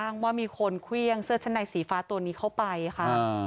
ว่ามีคนเครื่องเสื้อชั้นในสีฟ้าตัวนี้เข้าไปค่ะ